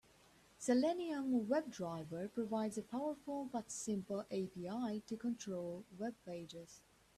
Selenium WebDriver provides a powerful but simple API to control webpages.